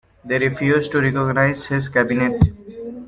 They refused to recognize his cabinet.